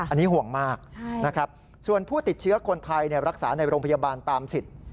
อันนี้ห่วงมากนะครับส่วนผู้ติดเชื้อคนไทยรักษาในโรงพยาบาลตามสิทธิ์